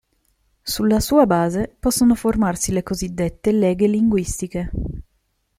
Sulla sua base possono formarsi le cosiddette leghe linguistiche.